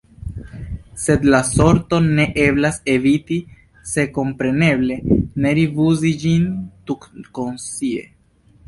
Sed la sorton ne eblas eviti – se, kompreneble, ne rifuzi ĝin tutkonscie.